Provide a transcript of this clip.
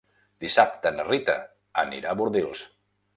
Dissabte na Rita anirà a Bordils.